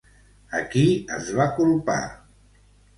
A qui es va culpar?